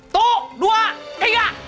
tuh dua tiga